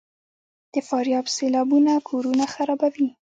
د فاریاب سیلابونه کورونه خرابوي؟